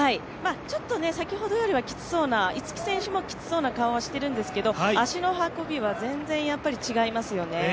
ちょっと先ほどよりは逸木選手もきつそうな顔をしてるんですけど足の運びは全然違いますよね。